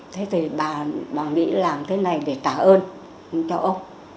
thế thì bà nghĩ làm thế này để trả ơn cho ông